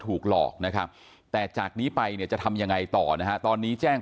ถูกหลอกนะครับแต่จากนี้ไปเนี่ยจะทำยังไงต่อนะฮะตอนนี้แจ้ง